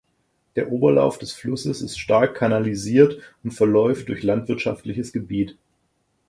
Der Oberlauf des Flusses ist stark kanalisiert und verläuft durch landwirtschaftliches Gebiet.